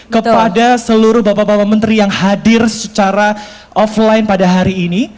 kepada seluruh bapak bapak menteri yang hadir secara offline pada hari ini